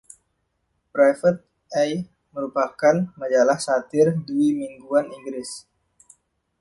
Private Eye merupakan majalah satire dwi mingguan Inggris.